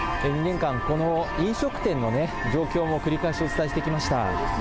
２年間、飲食店の状況も繰り返しお伝えしてきました。